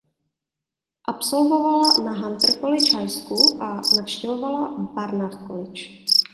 Absolvovala na Hunter College High School a navštěvovala Barnard College.